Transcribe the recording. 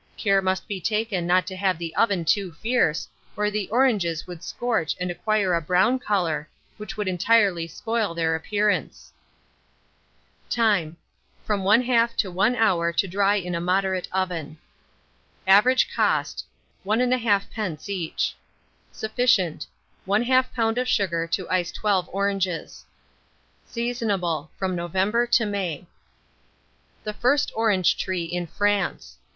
Care must be taken not to have the oven too fierce, or the oranges would scorch and acquire a brown colour, which would entirely spoil their appearance. Time. From 1/2 to 1 hour to dry in a moderate oven. Average cost, 1 1/2d. each. Sufficient. 1/2 lb. of sugar to ice 12 oranges. Seasonable from November to May. THE FIRST ORANGE TREE IN FRANCE.